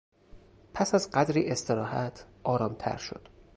پس از قدری استراحت آرامتر شد.